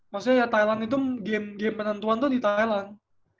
maksudnya ya thailand itu game penentuan tuh di thailand